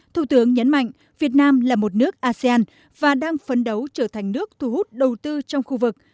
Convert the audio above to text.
thủ tướng nhấn mạnh việt nam là một nước asean và đang phấn đấu trở thành nước thu hút đầu tư trong khu vực